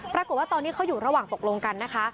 ปรากฏว่าตอนนี้เขาอยู่ระหว่างตกลงกันนะคะ